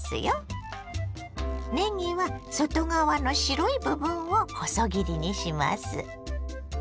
ねぎは外側の白い部分を細切りにします。